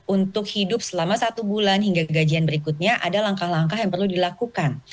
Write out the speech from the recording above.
untuk hidup selama satu bulan hingga gajian berikutnya ada langkah langkah yang perlu dilakukan